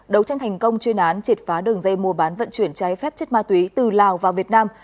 đấu tranh thành công chơi nán triệt phá đường dây mùa bán vận chuyển cháy phép chất ma túy từ lào vào việt nam